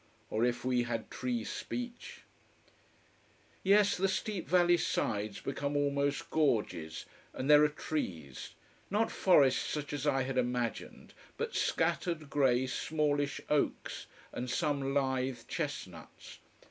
or if we had tree speech! Yes, the steep valley sides become almost gorges, and there are trees. Not forests such as I had imagined, but scattered, grey, smallish oaks, and some lithe chestnuts.